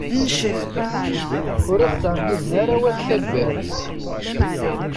Ur as-ttɛemmiden ara wat taddart.